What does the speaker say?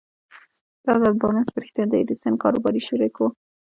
دا ځل بارنس په رښتيا د ايډېسن کاروباري شريک و.